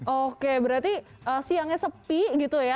oke berarti siangnya sepi gitu ya